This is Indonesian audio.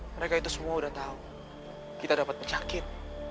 mereka itu semua sudah tahu kita dapat penyakit